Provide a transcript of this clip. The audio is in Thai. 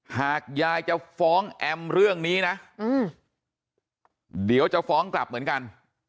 หากยายจะฟ้องแอมเรื่องนี้นะเดี๋ยวจะฟ้องกลับเหมือนกัน